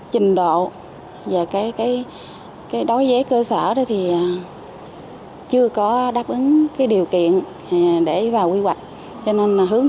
trình độ và cái đói vé cơ sở đó thì chưa có đáp ứng cái điều kiện để vào quy hoạch cho nên hướng